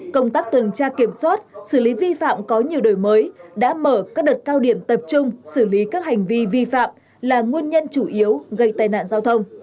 công tác tuần tra kiểm soát xử lý vi phạm có nhiều đổi mới đã mở các đợt cao điểm tập trung xử lý các hành vi vi phạm là nguyên nhân chủ yếu gây tai nạn giao thông